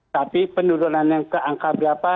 tapi penurunan yang keangka berapa